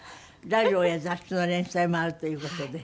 ラジオや雑誌の連載もあるという事で。